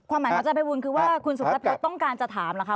ความหมายของเจ้าพระบุญคือว่าคุณสุภัยพระต้องการจะถามล่ะค่ะ